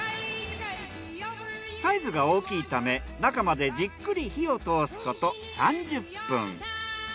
サイズが大きいため中までじっくり火を通すこと３０分。